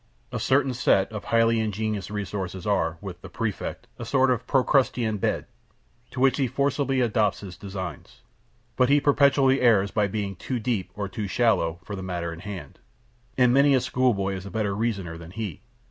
A certain set of highly ingenious resources are, with the Prefect, a sort of Procrustean bed, to which he forcibly adapts his designs. But he perpetually errs by being too deep or too shallow for the matter in hand, and many a school boy is a better reasoner than he.